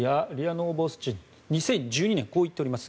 ノーボスチで２０１２年にこう言っています。